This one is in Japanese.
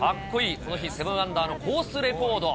この日７アンダーのコースレコード。